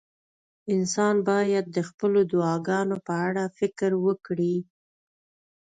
انسان باید د خپلو دعاګانو په اړه فکر وکړي.